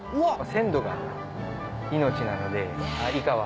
鮮度が命なのでイカは。